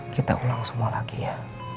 kita ulang semua laki ya